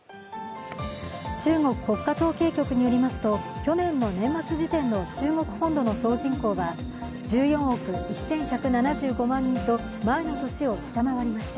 中国国家統計局によりますと、去年の年末時点の中国本土の総人口は１４億１１７５万人と前の年を下回りました。